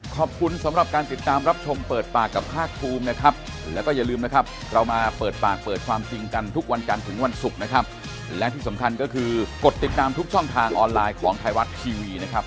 ขอบคุณทั้งสามท่านครับขอบคุณครับ